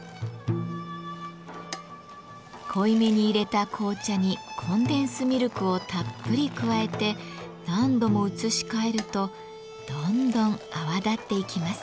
濃い目にいれた紅茶にコンデンスミルクをたっぷり加えて何度も移し替えるとどんどん泡立っていきます。